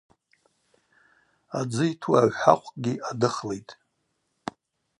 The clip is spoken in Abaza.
Адзы йту агӏвхӏахъвкӏгьи адыхлитӏ.